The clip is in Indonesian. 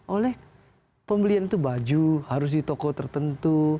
oleh pembelian itu baju harus di toko tertentu